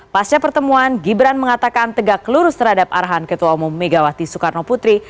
pasca pertemuan gibran mengatakan tegak lurus terhadap arahan ketua umum megawati soekarno putri